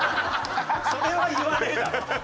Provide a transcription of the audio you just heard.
それは言わねえだろ。